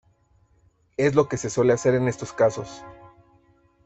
es lo que se suele hacer en estos casos.